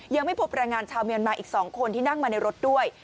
ยังไม่พบแรงงานชาวเมียนมาอีก๒คนที่นั่งมาในรถด้วย